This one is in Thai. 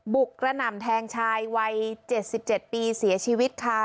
กระหน่ำแทงชายวัย๗๗ปีเสียชีวิตค่ะ